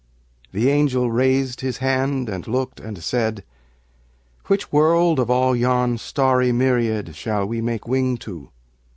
The angel raised his hand and looked and said, "Which world, of all yon starry myriad Shall we make wing to?"